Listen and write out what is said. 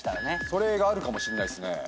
それがあるかもしんないっすね。